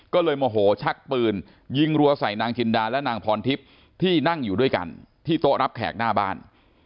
ก็เลยโมโหชักปืนยิงรัวใส่นางจินดาและนางพรทิพย์ที่นั่งอยู่ด้วยกันที่โต๊ะรับแขกหน้าบ้าน